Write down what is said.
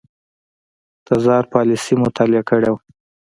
تزار پالیسي مطالعه کړې وه.